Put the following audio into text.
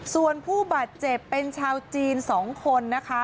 ส่วนผู้บาดเจ็บเป็นชาวจีน๒คนนะคะ